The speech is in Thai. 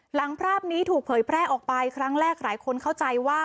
หลังภาพนี้ถูกเผยแพร่ออกไปครั้งแรกหลายคนเข้าใจว่า